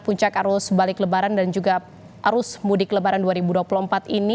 puncak arus balik lebaran dan juga arus mudik lebaran dua ribu dua puluh empat ini